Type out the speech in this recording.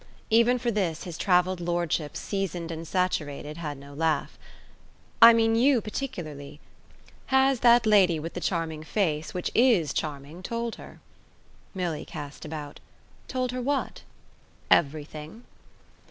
Even for this his travelled lordship, seasoned and saturated, had no laugh. "I mean YOU particularly. Has that lady with the charming face, which IS charming, told her?" Milly cast about. "Told her what?" "Everything."